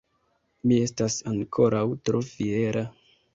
Mi estas ankoraŭ tro fiera!